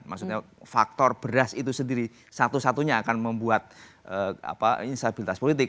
maksudnya faktor beras itu sendiri satu satunya akan membuat instabilitas politik